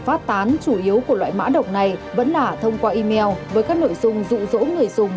phát tán chủ yếu của loại mã độc này vẫn là thông qua email với các nội dung dụ dỗ người dùng